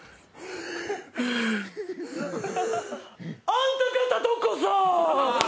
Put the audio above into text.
あんたがたどこさ！